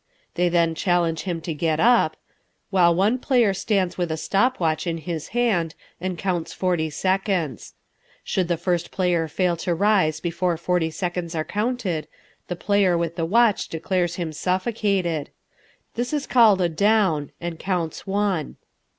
They then challenge him to get up, while one player stands with a stop watch in his hand and counts forty seconds. Should the first player fail to rise before forty seconds are counted, the player with the watch declares him suffocated. This is called a "Down" and counts one.